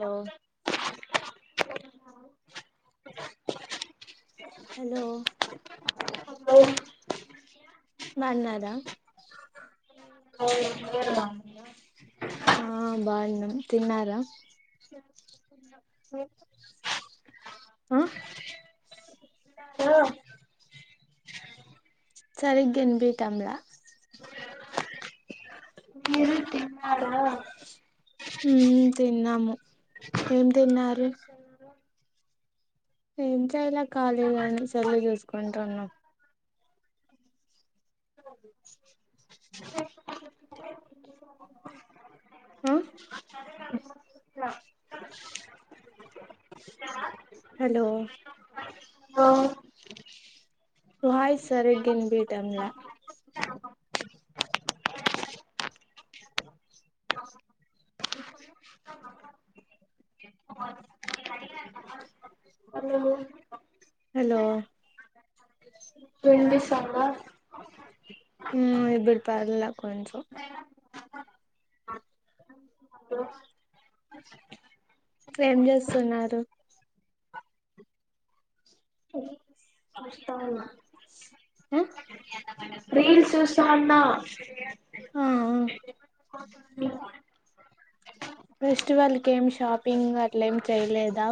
Hello hello hello బన్నారా hello ఆ బాగున్నాం తిన్నారా ఆ సరిగ్గా ఇనిపియ్యటం లా మీరు తిన్నారా హ తిన్నాము ఏం తిన్నారు ఏమ్ చేయాలా ఖాళీగానే సెల్లు చూసుకుంటున్నాం అ ఆ ఉహ్ హలో ఆ వయిస్ సరిగ్గా ఇనిపియ్యటంలా హలో హలో ఇనిపిస్తాందా. ఉహ్మ్ ఇప్పుడు పర్లే కొంచం ఏం చేస్తున్నారు ఆహ్ ల్స్ చూస్తువున్నా ఆ ఫెస్టివల్కి ఏమి షాపింగ్ అట్ల ఏమి చేయలేదా.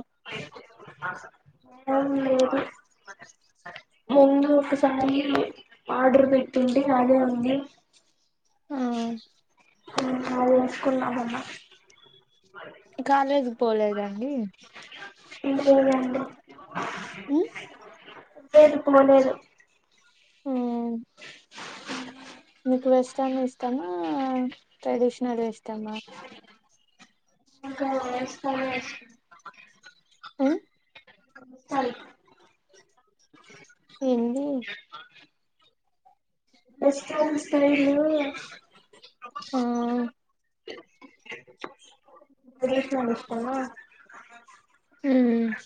ఏం లేదు ముందు ఒకసారి ఆర్డర్ పెట్టింటి అదే ఉంది. ఆహ్ ఆదేసుకున్నా. మొన్న కాలేజీకి పోలేదండి. ఇంగ పోలేదండి మ్మ్ లేదు. పోలేదు ఉహ్ మీకు వెస్ట్రన్ ఇష్టమా, ట్రెడిషనల్ ఇష్టమా. ఇంకా వెస్ట్రన్ ఉహ్ స్టైల్ ఏంది. మీ స్టైలు ఆహ్ ట్రెడిషనల్ ఇష్టమా ఉహ్మ్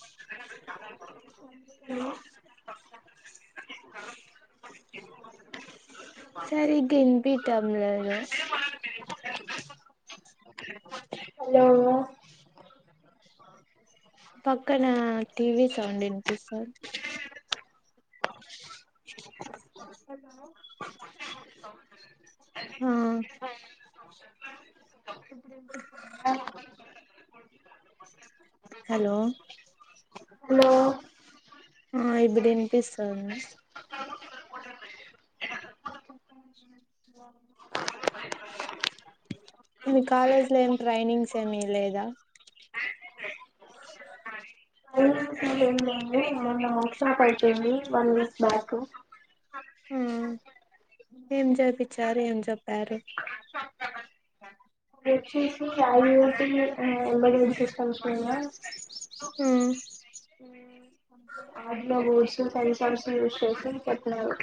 హలో సరిగనిబియ్యటంలేదు. హలో పక్కన టీవీ సౌండ్ వినిపిస్తంది. ఆహ్ వో [unintelligible] హలో హలో ఆ ఇప్పుడు వినిపిస్తంది మీ కాలేజ్ లో ఏం ట్రైనింగ్స్ ఏమి లేదా. మోన్న వుక్షనపేతంది [unintelligible] వన్ వీక్ బ్యాక్ ఉహ్మ్ ఏం చెప్పించారు ఏం చెప్పారు. పరీక్ష ఐపోయి [unintelligible] ఎబెన్ ఎమాటే తెలుస్తది సంస్టోనియ ఆహ్ వాట్లో గూడ్సు కనిసల్స్ యూస్ చేసి పెట్నవి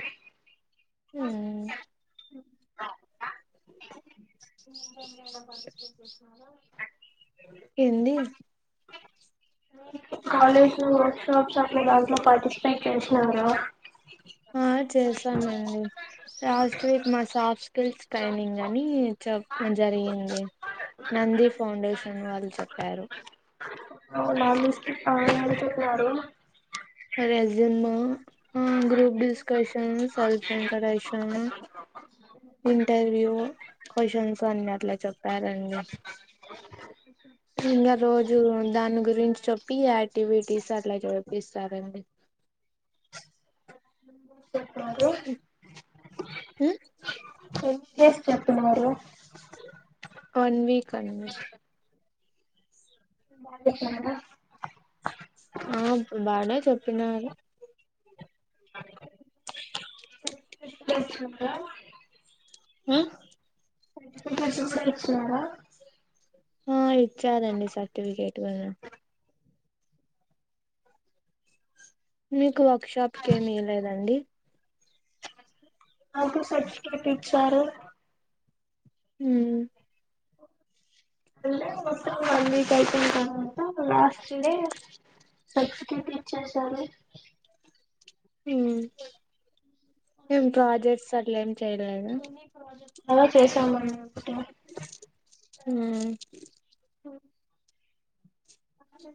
ఉహ్ హిందీ కాలేజ్ లో వర్క్ షాప్స్ అప్పుడు దాంట్లో పార్టిసిపేట్ చేసిన్నారా. ఆ చేసామండి. లాస్ట్ వీక్ మా సాఫ్ట్ స్కిల్స్ ట్రైనింగ్ అని చెప్ జరిగింది. నంది ఫౌండేషన్ వాళ్ళు చెప్పారు. స్ అడు [unintelligible] చెప్పనాడు రెజూమ్, ఆహ్ group discussion, self introduction, interview, questions అన్ని అట్లా చెప్పారండి. ఇంగా రోజు దాని గురించి చెప్పి. యాక్టీవీటీస్ అట్లా చేపిస్తారండి. చెప్పినారు ఉహ్ ఉహ్ ఏ చేసి చెప్నరు వన్ వీక్ అన్క్ బాగా చెప్పినారా ఆ బాగా చెప్పినారు చె ఆ ఇచ్చినార ఆ ఇచ్చదండి సర్టిఫికేట్ కూడా మీకు వర్క్షాప్కి ఏమిీయలేదండి నాకు సర్టిఫికెట్ ఇచ్చారు హ కాయితు క వస్ ఎక్స్కెట్ ఇచ్చసారు ఏం ప్రాజెక్ట్స్ అట్ల ఏమి చెయలేదా అలా చేసామన్నట హ అ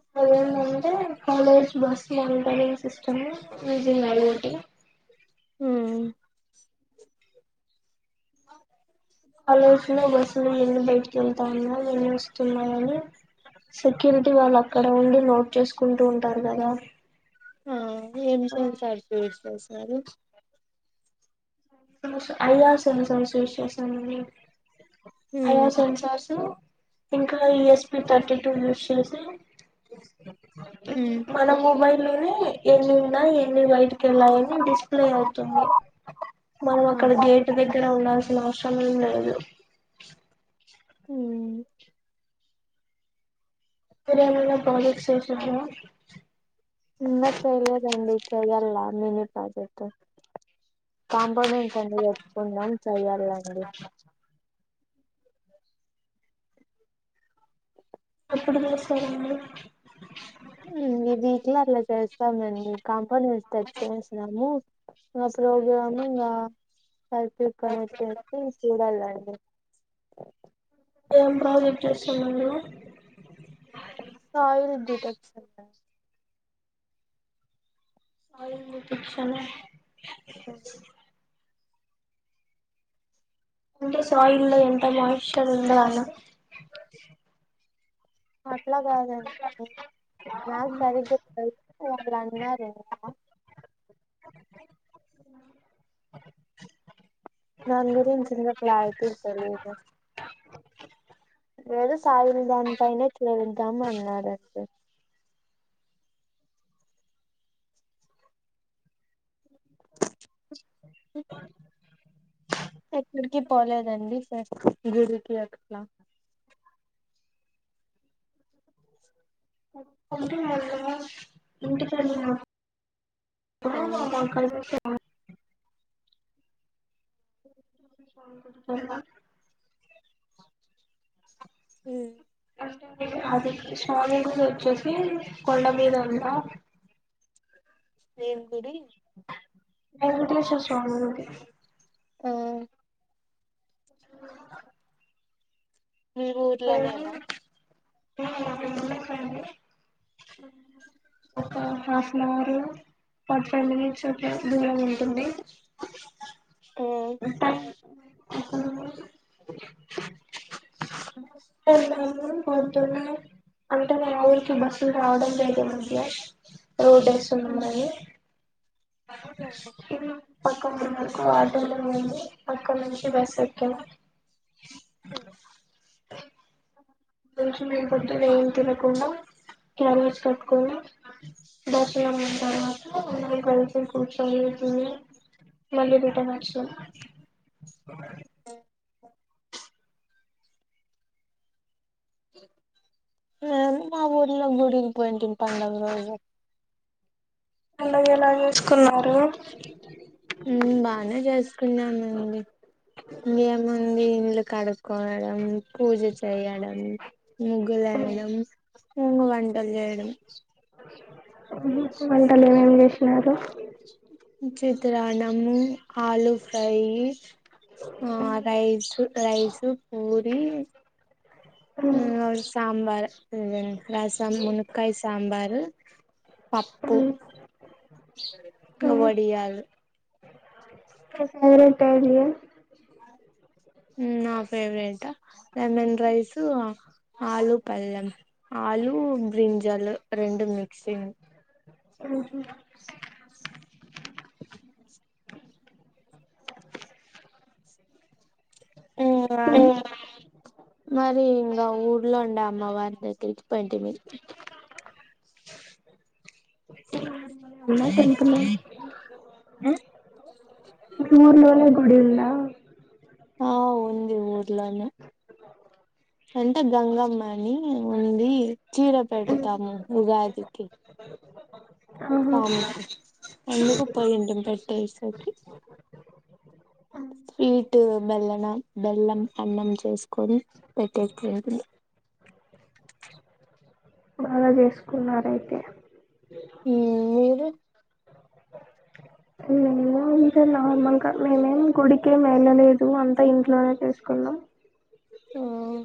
కాలజ్ బస్ మంట చ మీజ తో హ కాలజ్ లో బస్సులు ఎన్ని బయటికి వెళ్తా ఉన్నా ఎన్ని వస్తున్నాయని సెక్యూరిటీ వాళ్ళు అక్కడ ఉండి నోట్ చేసుకుంటూ ఉంటారు కదా ఆ ఏ విష సార్ చూ విస్తు మారు అయ్యా స సాశ విశవాసం అయ్యో ఉమ్. సంసార్సు ఇంకా ఈఎస్పి థర్టీ టూ యూస్ చేసి మన మబైల్ ఎన్ని ఉన్నా ఎన్ని బయట లాని డిస్ప్లే అవుతుంది మనం అక్కడ ఆహా గేట్ ఉసిన ఆశంగా ఉన్నాయిదు హ మీరేమైనా పాల చేషా ఇకా చేయలేదండి చెయ్యాల మిన ప్రాజెక్ట్ కాంపనెంట్స్ అన్ని తెచ్చుకుందాం చెయ్యాల అండి ఎప్పుడు నమస్తా ఉన్నారున్నారు అీ వీట్ లో అలా చేస్తామండి క ఇస్తాచ్చసన్నాము ఆ ప్రోగ్రాము ఇంగ [unintelligible] చెత్తే చూడాలండి ఏం ప్రాజెక్ట్ చేస్సున్న బ్రో సయిల్ డిటెక్షన్ సాయిల్ డిటెక్షనా అ అంటె సాయిల్లో ఎంత మాయిశ్చర్ ఉంద అన అట్లాగాదండి నాక్ సరిగ్గా తెలదు అల అన్నారు ఇంకా దని గురించి ఇంగా క్లారిటీ తెలిదు ఏదో సాయిల్ దాని పైన చెల్దాం అన్నారండి అ ఎక్కడికి పోలేదండి ఫ్రె గుడికి అట్లా అంటె మొన్న ఇంటికెళ్ళాం ఆ ప్పుడు మా [unintelligible] [unintelligible] హ్మ అంటే అది స్వామి గుడోచ్చేసి కొండ మీద ఉందా ఏం గుడి వెంకటేశ్వర స్వామి గుడి ఉ హ్మ మీ ఊర్లోనేనా ఒక half an hour forty five minutes ఒకే దూరం ఉంటుంది ఎక్కడ వున్నావ్ వస్తే పొద్దున్నే అంటే మా ఊరికి బస్సులు రావడం లేదు ఈ మధ్య రోడ్ వేస్తు ఉన్నారని అ పక్క పిల్లలతో ఆడుకు పిల్లలు అండి అక్కడి నుంచి బస్ ఎక్క కొంచెం మేము పొద్దున ఏం తినకుండా క్యారేజ్ కట్టుకొని బస్ ఉంటారు సి ఇప్పుడు సాయంత్రమే మళ్ళీ రిటర్న్ వచ్చినాం అ మా ఊర్లో గుడికి పోయింటిం పండుగ రోజు పండగ ఎలాగ చూసుకున్నారు బానే చేసుకున్నామండి ఇంకేముంది కడుక్ కోదన్ పూజ చేయడం ముగ్గులు వేయడం ముంగు వంటలు చేయడం ఊహు వంటలు ఏమేం చేస్ చారు చిత్రాన్నము ఆలు ఫ్రై ఆ చేసినారు రైస్ రైస్ పూరి మ్ సాంబారు రసం మునక్కాయ సాంబారు పప్పు వడియాలు ఫేవరెట్ ఏరియా ఉమ్ నా ఫేవరెట్ లెమన్ రైస్ ఆలు పల్లెం ఆలు బ్రింజాలు రెండు మిక్సింగ్ ఓహో ఇంగా మరి ఇంకా ఊర్లో ఉండే అమ్మవారి దగ్గరికి పోయింటిమి ఇలా టెంపుల్ ఊర్లోనే ఒడిల్లా ఆ ఉంది ఉ ర్లోనే అంటే గంగమ్మని ఉంది చీర పెట్టుతాము ఉగాది కె ఆహా స్వామి కి ఎందుకు పోయింటిమ్ పె పోయేసరికి స్వీటు బెల్లన బెల్లం అన్నం చేసుకొని పెట్టేసి ఉంటుంది అలా చేసుకున్నారయితే హుమ్ మీరు అంతే నార్మల్ గా మేమేం గుడికేం వెళ్ళలేదు అంతా ఇంట్లోనే చేసుకున్నాం హుమ్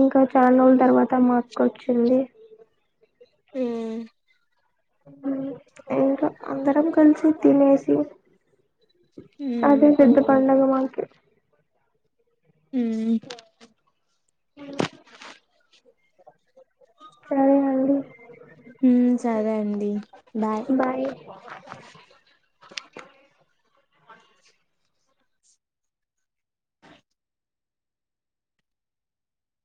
ఇంకా చాలా రోజుల తర్వాత మాక్కోచ్చింది హుమ్ ఇంకా అందరం కలిసి తినేసి అదే ఉమ్ పెద్దపండగ మా హుమ్ సరే అండి హమ్ సరే అండి బాయ్